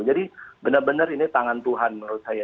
jadi benar benar ini tangan tuhan menurut saya